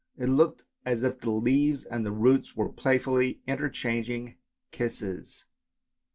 It looked as if the leaves and the roots were playfully interchanging kisses.